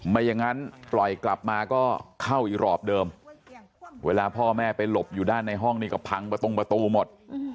ไม่อย่างนั้นปล่อยกลับมาก็เข้าอีกรอบเดิมเวลาพ่อแม่ไปหลบอยู่ด้านในห้องนี่ก็พังประตงประตูหมด